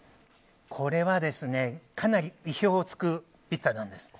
これは、かなり意表を突くピッツァなんです。